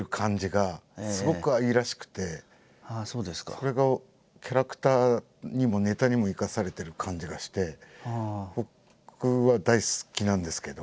それがキャラクターにもネタにも生かされている感じがして僕は大好きなんですけど。